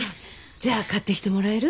じゃあ買ってきてもらえる？